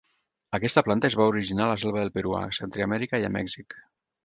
Aquesta planta es va originar a la selva del Perú, a Centreamèrica i a Mèxic.